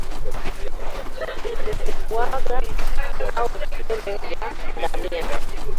Tetekuwanga au Vipele vya ngamia